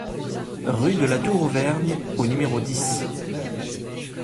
Rue de la Tour Auvergne au numéro dix